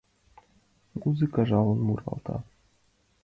Музыка жалын муралта.